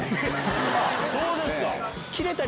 あっそうですか！